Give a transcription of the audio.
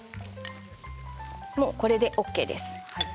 もうこれでＯＫです。